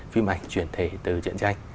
phim ảnh chuyển thể từ chuyện tranh